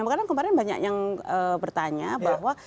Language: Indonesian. karena kemarin banyak yang bertanya bahwa